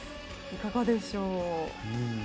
いかがでしょう。